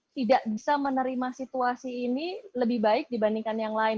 tidak bisa menerima situasi ini lebih baik dibandingkan yang lain